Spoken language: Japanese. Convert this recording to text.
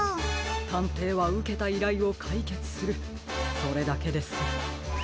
たんていはうけたいらいをかいけつするそれだけです。